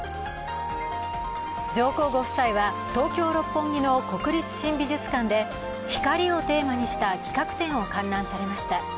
上皇ご夫妻は東京・六本木の国立新美術館で光をテーマにした企画展を観覧されました。